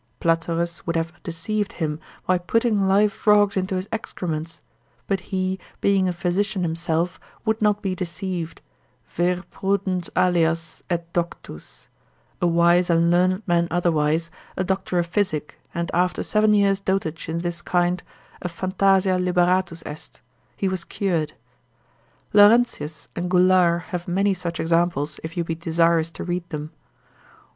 Platerus would have deceived him, by putting live frog's into his excrements; but he, being a physician himself, would not be deceived, vir prudens alias, et doctus a wise and learned man otherwise, a doctor of physic, and after seven years' dotage in this kind, a phantasia liberatus est, he was cured. Laurentius and Goulart have many such examples, if you be desirous to read them.